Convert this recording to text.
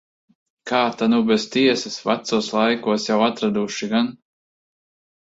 Kā ta nu bez tiesas. Vecos laikos jau atraduši gan.